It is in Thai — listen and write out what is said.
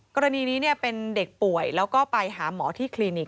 กรณีนี้เป็นเด็กป่วยแล้วก็ไปหาหมอที่คลินิก